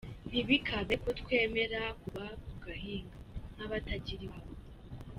Ntibikabe ko twemera kugwa ku gahinga, nk’abatagira iwabo